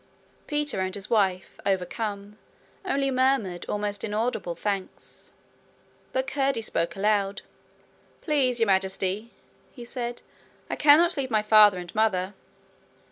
Peter and his wife, overcome, only murmured almost inaudible thanks. But Curdie spoke aloud. 'Please, Your Majesty,' he said, 'I cannot leave my father and mother.'